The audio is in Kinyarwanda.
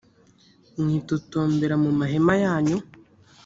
mwitotombera mu mahema yanyu